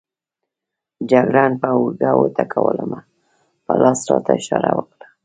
جګړن پر اوږه وټکولم، په لاس یې راته اشاره وکړه.